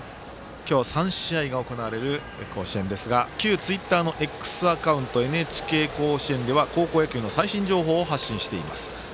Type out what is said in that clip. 今日、３試合が行われる甲子園ですが旧ツイッターのＸアカウントＮＨＫ甲子園では高校野球の最新情報を発信しています。